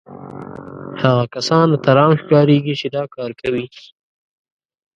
هغه کسان اتلان ښکارېږي چې دا کار کوي